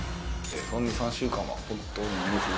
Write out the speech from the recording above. その２３週間は本当に。